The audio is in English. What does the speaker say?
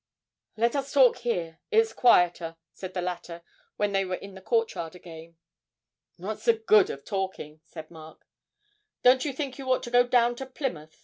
'Let us talk here; it's quieter,' said the latter when they were in the courtyard again. 'What's the good of talking?' said Mark. 'Don't you think you ought to go down to Plymouth?'